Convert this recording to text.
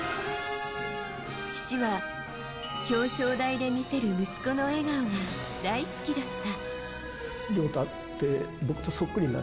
父は、表彰台で見せる息子の笑顔が大好きだった。